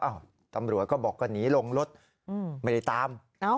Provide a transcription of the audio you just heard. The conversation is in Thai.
ตำรวจก็บอกก็หนีลงรถไม่ได้ตาม